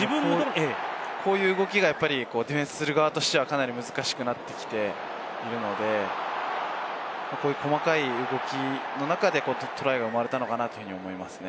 こういう動きがやっぱりディフェンスする側としてはかなり難しくなってきているので、こういう細かい動きの中でトライが生まれたのかなと思いますね。